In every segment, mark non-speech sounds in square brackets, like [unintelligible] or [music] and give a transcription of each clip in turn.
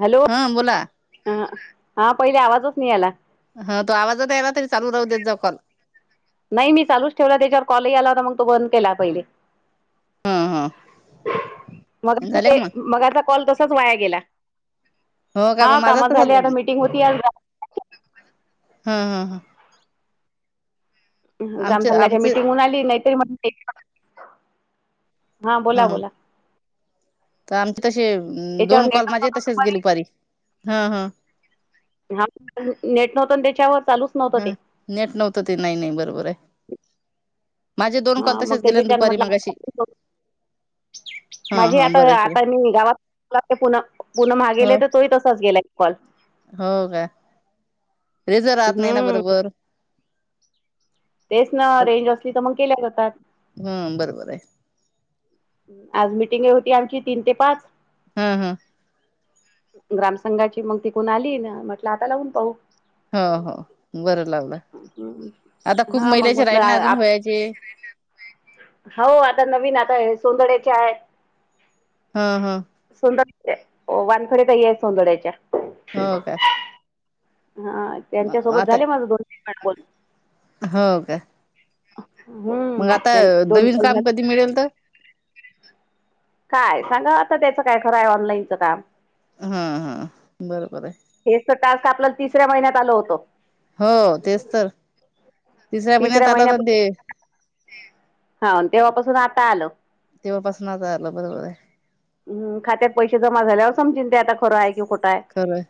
Hello! हा बोला हा पहिले आवाजच नाही आला. हा तो आवाजात यायला तरी चाल राहू देत जा कॉल. नाही मी चालूच ठेवला त्याच्यावर कॉल आला होता मग तो बंद केला पहिले. ह ह मग झाले का ते मग मगाचा कॉल तसाच वाया गेला. हो का हा मग माझा कामात तसा झाले ह आता मिटिंग होती आज हा- हा- हां. आमचे ग्रामसंघाच्या आमचे मिटिंगहून आली नाही तरी म हा बोला ह बोला. तर आमचे तसे त्याच्यावर दोन कॉल नेटच माझे नव्हतं तसेच गेले दुपारी. हा नेट नव्हत त्याच्यावर चालूच. नव्हतं हा ते नेट नव्हतं ते नाही नाही बरोबर आहे. माझे दोन कॉल हा मग तसेच गेले त्याच्याच्यान दुपारी मगाशी. म्हटलं हा माझी हा आता बरं आता केलं मी गावात पुन पुन महा. हो गेले तर तो तसाच गेलाय. कॉल. हो का रेंज राहत नाही ना हम्म बरोबर. तेच ना रेंज असली तर मग केल्या जातात. हम्म! बरोबर आहे. आज मिटिंगे होती आमची तीन ते पाच. हा हा. ग्रामसंघाची मगं तिकडून आली ना म्हटलं आता लावून पाहू हो हो बरं लावलं आता खूप हा मग महिलाचे म्हटलं राहिला ना अजून आप व्हायचे. हो आता नवीन आता सोंदड्याचे आहे. हा हा. सोंदड वानखड्या ताई आहेत सोंदड्याच्या. हो का. हा म- त्यांच्या सोबत आता झाले माझं दोन तीन [unintelligible] कॉल. हो का. हम्म! त्यांच दोन नवीन कॉल काम झालं. कधी मिळेल तर काय सांगा आता त्याचं काय खरं आहे ऑनलाईनचं काम. हा हा बरोबर आहे. हेच तर टास्क आपल्याला तिसऱ्या महिन्यात आल होतं. हो तेच तर तिसऱ्या महिन्यात आला होता ते. हा तेव्हापासून आता आलं. तेव्हापासून ना आता आलं बरोबर ह खात्यात पैसे जमा झाल्यावर समजिते आता. खरं आहे की खोटं आहे खरं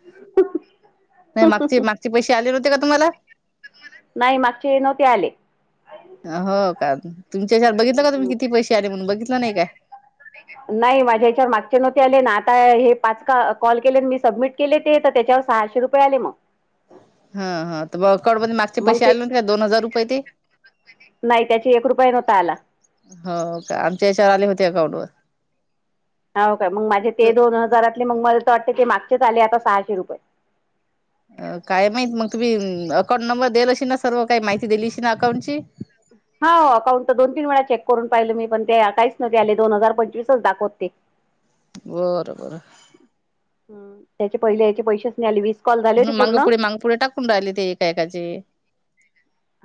नाही मागचे मागचे पैसे आले न होते का तुम्हाला? नाही मागचे नव्हते आले. हो का तुमच्यावर बघितलं का तुम्ही किती पैसे आले म्हणून बघितलं नाही का. नाही माझ ह्याच्यावर मागचे नव्हते आले ना आता हे पाच का कॉल केले मी सबमिट केले ते तर त्याच्यावर सहाशे रुपये आले मग. हा, हा तर मग अकाउंट मध्ये मागचे मग पैसे ते आले नव्हते का दोन हजार रुपये ते. नाही त्याची एक रुपये नव्हता आला. हो का आमच्या याच्यावर आले होते अकाउंट वर. हा काय मग माझे ते दोन हजारातले मग मला वाटतं ते मागचेच आले आता सहाशे रुपये. अ काय माहित मग तुम्ही अकाउंट नंबर देल अशील ना सर्व काही माहिती दिलीशी ना अकाउंट ची. [inaudible] हा अकाउंट तर दोन तीन वेळा चेक करून पाहिले मी पण ते काहीच नव्हते आले दोन हजार पंचवीसच दाखवते. बरं बर. हम्म! त्याचे पहिले याचे पैसेच नाही आले वीस कॉल झाले ह होते पूर्ण मांगपुढी मांगपुढी टाकून राहिली ते एकाएकाचे.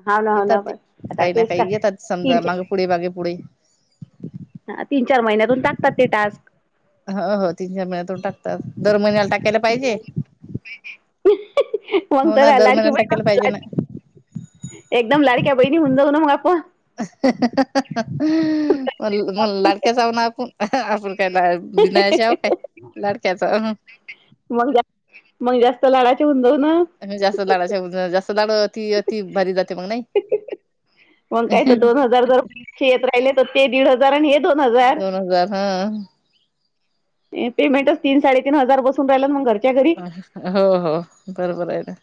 हा ना हो येतात ना ते पण आता काही ना तेच काय काही येतात तीन समजा माग पुुढ मागे पुढे. ह तीन चार महिन्यातून टाकतात ते टास्क. हो हो तीन चार महिन्यातून टाकतात दर महिन्या टकत. हो ना कोणत्या दर लाडक्या महिन्याला बहीण टाकायला पाहिजे च. ना एकदम लाडक्या बहिणी होऊ जाऊ ना मग आपण. म मण लाडक्याचाऊ ना आपण. आपण काय ला विनायाशव काय लाडक्याच हवन. मग जास् मग जास्त लडाचे हु दव ना. जास्त लाडाच्या जास्त लाड अति भारी जाते मग नाही. मग काय तर दोन हजार जर बे येत राहिले तर ते दीड हजार आणि हे दोन हजार. दोन हजार हा. पेमेंटच तीन साडेतीीन हजार बून राहिलाल मग घरच्या घरी. हो हो बरोबर आहे ना.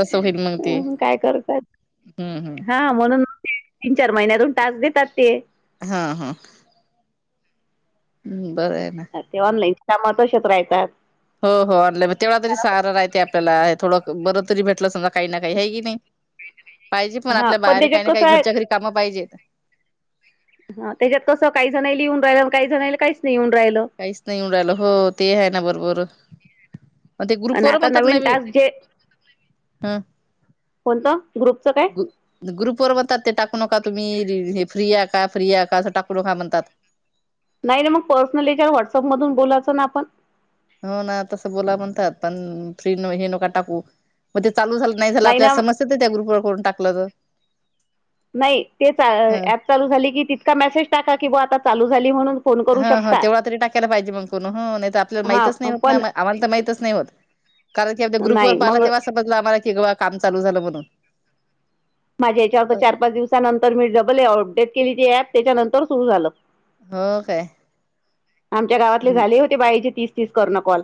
तसं होईल मग ते काय करतात हम्म हम्म हा म्हणून. तीन चार महिन्यातून टास देतात ते. हा हा. हम्म बरं आहे ना. ते ऑनलाईन कामात तशच राहतात. हो हो आणलं तेवा तरी सारा राहते आपल्याला थडं बरं तरी भेटलं समजा. काही ना काही हे की नाही पाहिजे पण हा आपल्या बाहेर त्याच्यात काही ना काही कसं आहे घरच्या घरी कामं पाहिजेत. हा त्याच्यात कसं काही जणला येऊन राहिलं काही जणला काहीच नाही येऊन राहिलं. काहीच नाही उडायला हो ते आहे ना बरोबर. पण ते ग्रुप आणि वर आता म्हणतात ना नवीन बी टास्क जे ह कोणतं ग्रुपचं काय. ग्रुप वर बणतात ते टाकू नका तुम्ही हे फ्री आहे का फ्री आहे का असं टाकू नका म्हणतात. नाही मग पर्सनली का व्हॉट्सअप मधून बोलायचं ना आपण. हो ना तसं बोला म्हणतात पण फ्री हे नका टाकू मग ते चालू झा नाही झालं आपल्याला समस्या तर त्या ग्रुप वर करून टाकलं तर. नाही ते ह ऍप चालू झाली की तितका मेसेज टाका की ब आता चालू झाली म्हणून. फोन करू ह ह शकता तेवढा तरी टाकायला पाहिजे मग कोण नाही तर आपल्याला हा माहतीच नाही होत ना पण आम्हाला तर माहितच नाही होत. कारण की आप ग्रुप ववर नाही पाहिला मग तेव्हा समजलं आम्हाला किव काम चालू झालं म्हणून. माझ्या याच्यावर अ चार पाच दिवसानंतर मी डबल अपडेट केली त ऍप त्याच्यानंतर सुरू झालं. हो काय? आमच्या गावातले हं. झाले होते बाईचे तीस तीस कर्ण कॉल.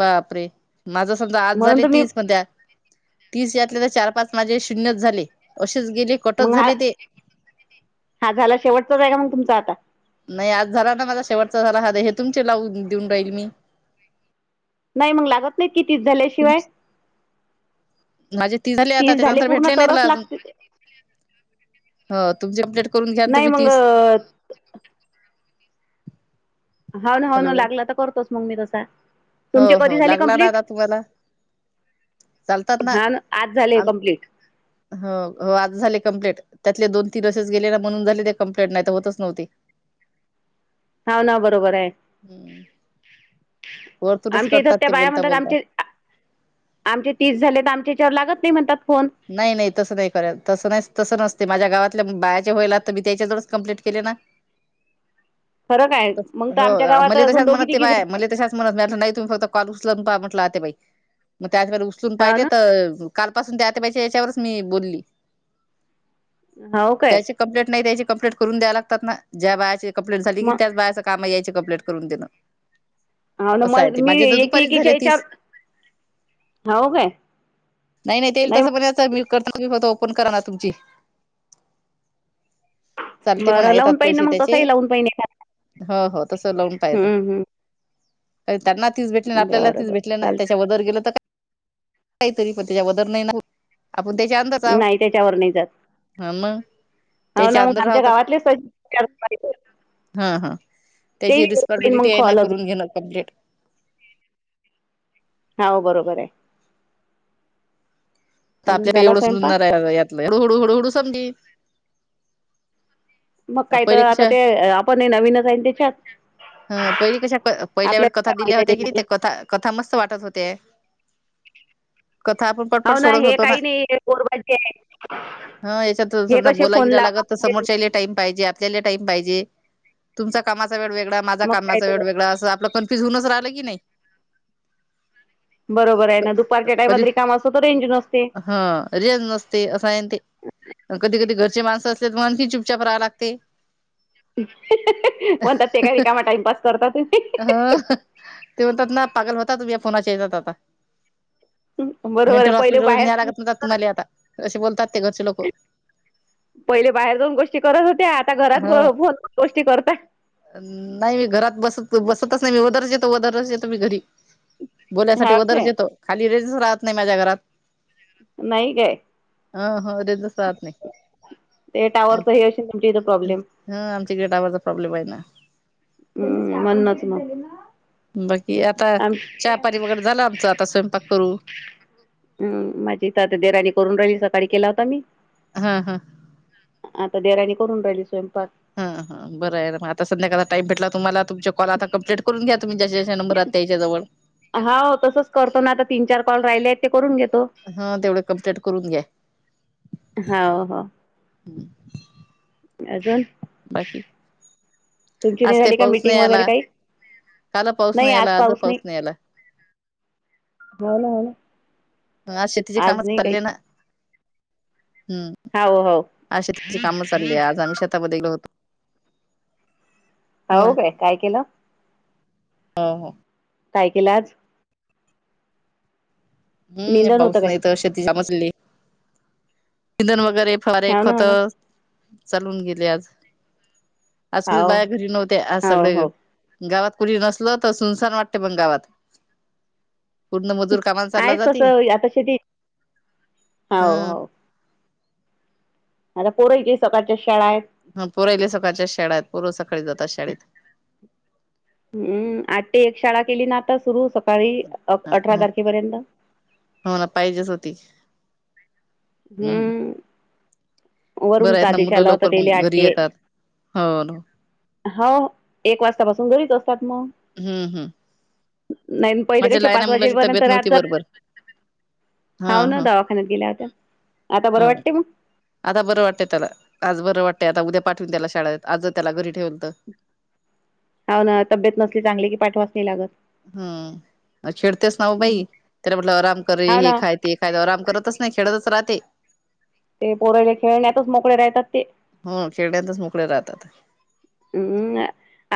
बापरे माझ समजा आज म्हणून झाले तुम्ही तीस म्हणत्या तीस यातले तर चार-पाच माझे शून्यच झाले असेच गेले. कटच मग हा झाले ते [inaudible] हा झाला शेवटचाच आहे का मग तुमचा आता नाही आज झाला ना माझा शेवटचा झाला हा हे तुमचे लावून देऊन राहीले मी. नाही मग लागत नाही कि तीस तुम झाल्याशिवाय माझे आता तीस झाले त्याच्यानंतर पूर्ण भेटले नाही तरच लागते ते ह तुमची अपडेट करून घ्या ना त नाही म मग तीस. हा ना ह हॅलो ना लागला तर करतोच मग मी तसा हो तुमचे कधी हो झाले लागला ना आता कम्प्लीट? तुम्हाला हा ना आज झाले आम कम्प्लीट. हो हो आज झाली कम्प्लीट. त्यातले दोनीन असेच गेले ना म्हणून झाले ते कंप्लेंट नाही तर होतच नव्हती. हा ना बरोबर आहे. हम्म वरतुरच आमच्या इथं कटतात त्या ते बाया बोलता म्हणतात बोलता. आमचे आमचे तीस झाले तर आमच्याच्यावर लागत नाही म्हणतात फोन. नाही नाही तसं नाही कर तसं नाही तसं नसते माझ्या गाात बायाचे होईल तर मी त्याच्याजवळच कमप्लीट केले ना. फरक आहे मग तर आमच्या हो गावात मले अजून तशाच दोघी म्हणत ते तिघी बाय मले तशाच म्हणत मी नाही तुम्ही फक्त कॉल उचलून पहा म्हटलं आत्याबाई मग त्या उचलून हाव पाहिले ना तर कालपासून त्या आत्याबाईच्या ह्याच्यावरच मी बोलली हाव काय? कंप्लेट नाही त्याची कंप्लेट करून द्या लागतात ना ज्या बायाची कंप्लें झाली की मग त्याच बाया कामा यायचे कपलेट करून देणं हाव ना असं आहे मल ते मी माझे तर एकी दुपारीच झाले एकीच्या याच्यावर तीस हाव काय नाही नाही तेल तसं पण सबमिट करताना तुम्ही फक्त ओपन करा ना तुमची चालते म्हणा बरं येतात लावून पाहिन ना पैसे मग त्याचे तसंही लावून पाहिन एखादा हो हो तस लावून हम्म हम्म. का त्यांना तीस भेटले आपल्याला बरं तीस बरं भेटले ना त्याच्या चालतंय वदर गेलं तर काहीतरी पण त्याच्या बदल नाही ना आपण त्याच्या [inaudible] हाव नाही त्याच्यावर नाही जात हा म हाव तेच्या ना मग अंदर हाव आमच्या तर गावातलेच [inaudible] हा हा. तेही त्याची होईन मग रिस्पॉन्सिबिलिटी आहे ना कॉल करून अजून घेण कम्प्लीट हाव बरोबर आहे. तर अजून आपल्या काही झाला एवढं स्वयंपाक आहे यातलं हू हळू हुळू हळू समदी मग काय तर पहिले आता कशा ते आपण हे नवीनच आहे तेच्यात. ह पहिली कशा पहिल्या वेळी कथा काय माहित दिल्या आहे होत्या की त्याच्यातलं ते कथा कथा मस्त वाटत होते. कथा आपण पटपट हो ना सोडत हे होतो ना काही नाही हे पोरबाजी आहे ह याच्यात हे समजा कसे बोला फोन गिरा लावा लागत तर समोरच्याले. पाहिजे आपल्या टाईम पाहिजे तुमचा कामाचा वेळ वेगळा माझ मग काय कामाचा वेळ तर वेगळा अस आपलं पण बिजूनचा राहिलं की नाही बरोबर आहे ना दुपारच्या टाइमात रिकामे असतो तर रेंज नसते. ह रेच नसते असं आहे ते कधी कधी घरचे माणसं असले तर आणखी चुपचाप राहाव लाग ते. हि-ही-ही म्हणतात ते का रीकामा टाइमपास करता तुम्ही ह-हह. ते म्हणतात ना पागल होतात तुम्ही या फोनाच्या हेज्यात आता. बरोबर आहे मेंटल पहिले हॉस्पिटलमध्ये न्याय बाहेर लागत तुम्हाले आता असे बोलतात ते घरचे लोक पहिले बाहेर जाऊन गोष्टी करत होत्या आता घरात ह गोष्टी करत नाही मी घरात बसत बसतच नाही मी वदरच येतो वदरच येतो मी घरी बोलन्यासाठी हा वदरच काय येतो खाली रेंजच राहत नाही माझ्या घरात नाही काय [unintelligible] सात नाही ते टॉवर च हे अश तुमच्या इथं प्रॉब्लेम ह आमच्या गेटावरचा प्रॉब्लेम हाय ना हम्म म्हणूनच मग बकी आता आम चहापानी वगैरे झालं आमचं आता स्वयंपाक करू हम् माझी इथ देवराणी करून राहिली सकाळी केला होता मी हा हा आता देवराणी करून राहिली स्वयंपाक हा ह बरं ये म आता संध्याकाळच टाईम भेटला तुम्हाला तुमचे कॉल आता कंप्लीट करून घ्या तुम्ही जेचे नंबर आत्याआई च्या जवळ हाव तसंच करतो ना आता तीन-चार कॉल राहिले आहेत ते करून घेतो हा तेवढं कंमप्लीट करून घ्या हाव हो अजून बाकी तुमची नाही आज काही झाली का पाऊस नाही मीटिंग वगैरे आला काही काल पाऊस नाही आला आज पाऊस नाही आला हो ना हो ना ह शेतीचे काम आज नाही चालले काहीच ना हम्म हाव हाव आ शेताची कामं चालली आज आम्ही शेतामध्ये गेलो होतो हौ काय काय केलं ह काय केलं आज हम् निंदन पाऊस होतं नाही काय तर शेतीच्यामचली इंधन वगैरे फवारे हो ना हो ना खतं चालवून गेले आज आज [unintelligible] हाव बाया घरी नव्हते आज हाव सगळे हो गावात कुठ नसल तर सुनसान वाटते पण गावात पूर्ण मजूर कामा चालला आहेच जाते तसं आता शेती हाव हम हाव आता पोरं [unintelligible] सकाळच्या शाळायत हा पोरायले सकाळच्या शाळेत पोरं सकाळी जातात शाळेत हम्म आठ ते एक शाळा केली ना आता सुरू सकाळी अठरा तारखेपर्यंत हो न पाहिजेच होती हम्म वरूनच बरंय ना आदेश मुलं आला होता लवकर तेले मग आठ घरी ते येतात हो हो एक वाजतापासून घरीच असतात मग हम्म हम् नाही पहिले कसे पाच मुलाची वाजेपर्यंत तब्येत नव्हती आत जात बरोबर हा हौ ना हा दवाखान्यात गेल्या होत्या आता बरं ह वाटते मग आता बरं वाटतंय त्याला आज बरं वाटतंय आता उद्या पाठवीन त्याला शाळेत आज त्याला घरी ठेवलवतं हा ना तब्येत नसली चांगली की पाठवच नाही लागत हम् [unintelligible] नाव हम्म. बाई त्याला म्हटलं आराम कर हाव हे ना खाय ते कायदा आराम करतच नाय खेळतच राहते ते पोरायले खेळण्यातच मोकळे राहतात ते हो खेळण्यातच मोकळे राहतात म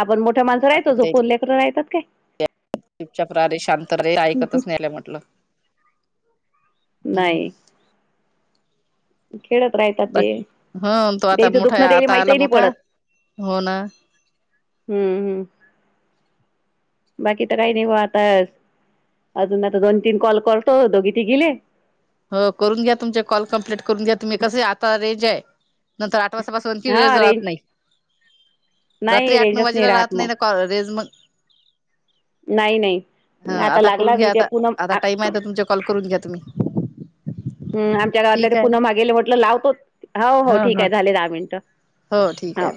आपण मोठ्या माणसा राय आपण तो जो पले राहतात काय शपच्या प्रहे शांत रे ऐकतच न्यायला म्हटलं नाय खेळत राहता ते बाकी ह तो आता त्याचं मोठा दुखणं दले आता आला माहितीही नाही मोठा पडत हो ना हम्म हम् बाकी तर काही नाही वा आताच अजून आता दोन तीन कॉल करतो दोघी तिघी ले हो करून घ्या तुमचे कॉल कम्प्लीट करून घ्या तुम्ही कसं आता रेंजय नंतर आठ वाजपासून आणखी वेळ हा जात रेंज नाही रात्री नाही आठ नऊ रेंजच वाजेला राहत नाही मग. ना कॉल रेज मग नाही नाही. हा आता लागला करून मी घ्या त्या आता पूनम आता आ टाइमय तर तुमचा कॉल करून घ्या तुम्ही हम् त्या गावातल्या त्या ठीक आहे पुनम पुन्हा मागेले म्हटलं लावतो हौ हो हा ठीक हा आहे झाले दहा मिनटं ठीक हो आहे.